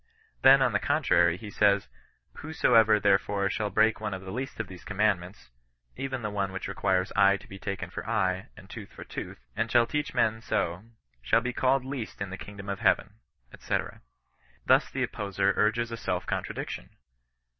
Then on the contrary he says, " Whosoever, therefore, shall break one of the least of these commandments (even the one which requires eye to he taken for eye, and tooth for tooth), and shall teach men so, shall be called least in the kingdom of heaven," &c. Thus the opposer urges a self contradic tion.